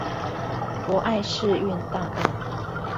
博愛世運大道